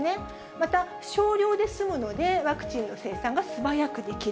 また、少量で済むので、ワクチンの生産が素早くできる。